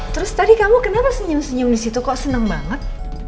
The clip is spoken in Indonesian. terus tadi kamu kenapa senyum senyum di situ kok senang banget